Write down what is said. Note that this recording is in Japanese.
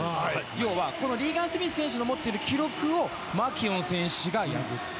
要はこのリーガン・スミス選手の持っている記録をマキュオン選手が破った。